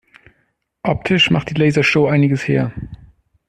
Optisch macht die Lasershow einiges her.